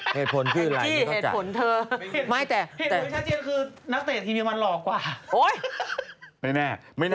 แต่พนักงานของไทยรัฐไม่ได้